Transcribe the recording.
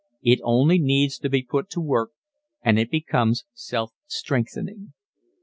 It only needs to be put to work and it becomes self strengthening.